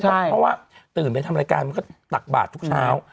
เพราะว่าตื่นไปทำรายการมันก็ตักบาททุกเช้า